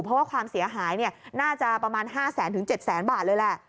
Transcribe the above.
เพราะว่าความเสียหายน่าจะประมาณ๕แสนถึง๗แสนบาทเลยแหละ